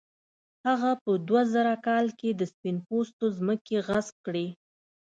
هغه په دوه زره کال کې د سپین پوستو ځمکې غصب کړې.